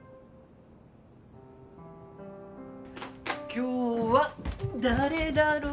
今日は誰だろう。